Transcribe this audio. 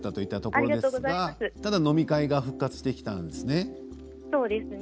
ただ飲み会が復活してきたんですね。